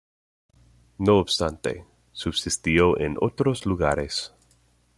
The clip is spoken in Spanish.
No obstante, subsistió en otros lugares.